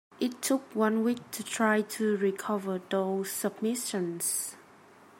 It took one week to try to recover those submissions.